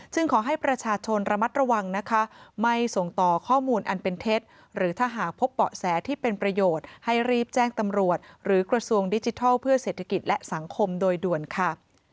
ขอให้ประชาชนระมัดระวังนะคะไม่ส่งต่อข้อมูลอันเป็นเท็จหรือถ้าหากพบเบาะแสที่เป็นประโยชน์ให้รีบแจ้งตำรวจหรือกระทรวงดิจิทัลเพื่อเศรษฐกิจและสังคมโดยด่วนค่ะ